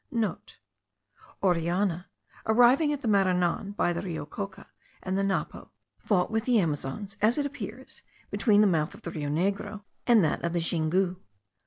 (* Orellana, arriving at the Maranon by the Rio Coca and the Napo, fought with the Amazons, as it appears, between the mouth of the Rio Negro and that of the Xingu.